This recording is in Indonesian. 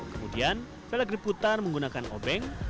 kemudian velg diputar menggunakan obeng